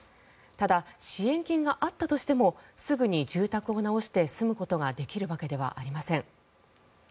ただ、支援金があったとしてもすぐに住宅を直して住むことができるわけではありません。